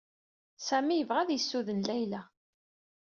Sami yebɣa ad yessuden Layla.